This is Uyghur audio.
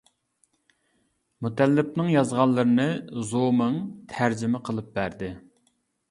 مۇتەللىپنىڭ يازغانلىرىنى زو مىڭ تەرجىمە قىلىپ بەردى.